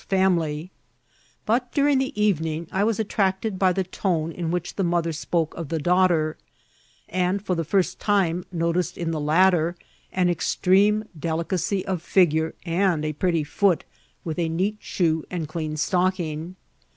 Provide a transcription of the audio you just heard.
no's lunily; bat daring the eYening I was ottiaeted by the tone in which the mother spoke of the daughter, mnd for the first time noticed in the latter an extreme delieacy of figure and a pretty foot, with a neat shoe and clean stocking.